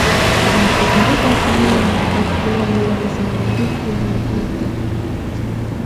Masi kharupazeeni ocuwa yoori zaari vitthu zoohata.